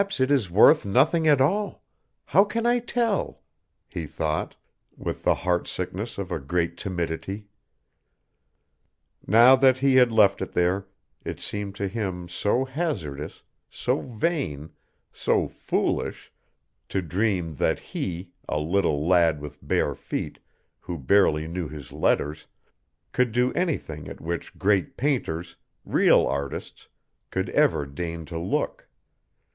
"Perhaps it is worth nothing at all. How can I tell?" he thought, with the heart sickness of a great timidity. Now that he had left it there, it seemed to him so hazardous, so vain, so foolish, to dream that he, a little lad with bare feet, who barely knew his letters, could do anything at which great painters, real artists, could ever deign to look.